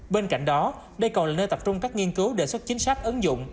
bên cạnh đó đây còn là nơi tập trung các nghiên cứu đề xuất chính sách ứng dụng